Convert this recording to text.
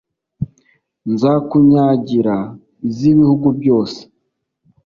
nzakunyagira iz’ibihugu byose,